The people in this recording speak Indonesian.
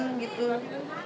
sejauh ini kendala